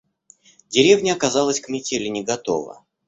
Деревня оказалась к метели не готова.